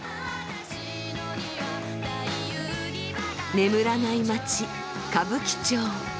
眠らない街歌舞伎町。